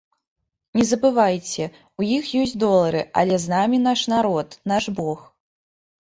Не забывайце, у іх ёсць долары, але з намі наш народ, наш бог.